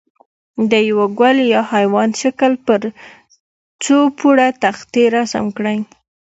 د یوه ګل یا حیوان شکل پر څو پوړه تختې رسم کړئ.